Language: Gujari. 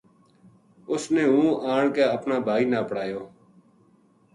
اس نے ہوں آن کے اپنا بھائی نا اپڑایو